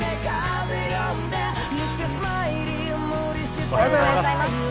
おはようございます。